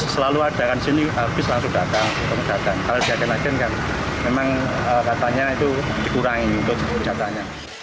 sebenarnya perusahaan yang diperlukan untuk mengurangi stoknya sudah dikurangi